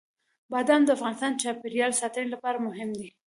بادام د افغانستان د چاپیریال ساتنې لپاره مهم دي.